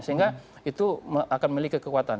sehingga itu akan memiliki kekuatan